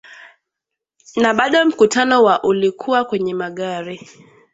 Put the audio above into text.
na bado mkutano wa ulikuwa kwenye magari